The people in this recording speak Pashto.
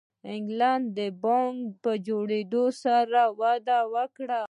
د انګلینډ بانک په جوړېدو سره وده وکړه.